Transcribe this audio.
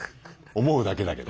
思うだけだけど。